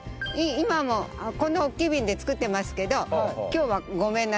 今もこんなおっきい瓶で作ってますけど今日はごめんなさいこれ。